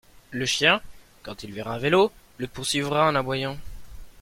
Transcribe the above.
le chien, quand il verra un vélo, le poursuivra en aboyant.